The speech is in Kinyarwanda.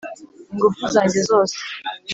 ingufu zange zose